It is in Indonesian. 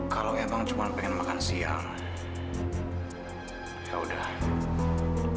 kalau emang cuma pengen makan siang yaudah